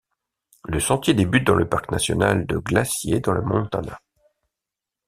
Le sentier débute dans le parc national de Glacier dans le Montana.